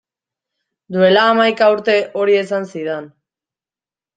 Duela hamaika urte hori esan zidan.